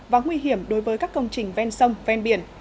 và nguy hiểm đối với các công trình ven sông ven biển